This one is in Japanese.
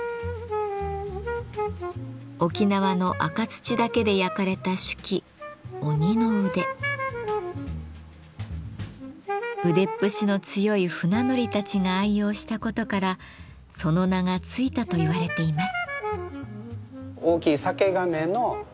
沖縄の赤土だけで焼かれた酒器腕っぷしの強い船乗りたちが愛用したことからその名が付いたといわれています。